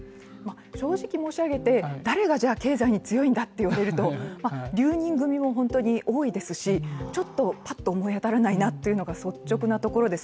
正直申し上げて、誰が経済に強いんだということを言われると留任組も本当に多いですしちょっとパッと思い当たらないなというのが率直なところです。